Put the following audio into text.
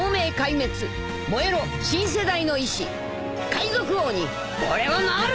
海賊王に俺はなる！